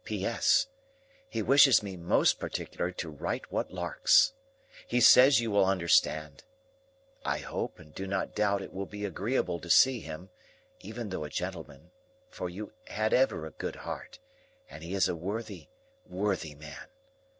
"P.S. He wishes me most particular to write what larks. He says you will understand. I hope and do not doubt it will be agreeable to see him, even though a gentleman, for you had ever a good heart, and he is a worthy, worthy man.